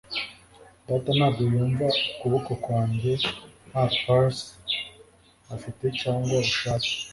Data ntabwo yumva ukuboko kwanjye nta pulse afite cyangwa ubushake